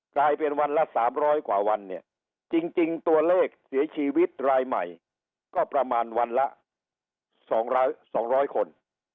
กลายเป็นวันละ๓๐๐กว่าวันเนี่ยจริงตัวเลขเสียชีวิตรายใหม่ก็ประมาณวันละ๒๐๐คน